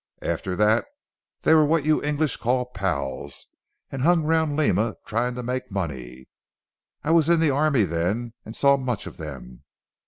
After that they were what you English call pals, and hung round Lima trying to make money. I was in the army then and saw much of them.